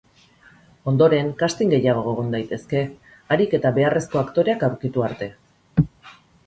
Ondoren, casting gehiago egon daitezke, harik eta beharrezko aktoreak aurkitu arte.